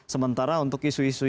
sementara untuk isu isu